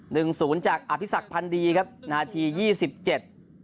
หนึ่งศูนย์จากอภิษักพันธ์ดีครับนาทียี่สิบเจ็ด